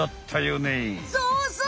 そうそう！